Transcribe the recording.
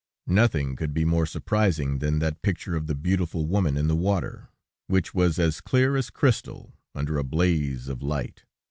Nothing could be more surprising than that picture of the beautiful woman in the water, which was as clear as crystal, under a blaze of light.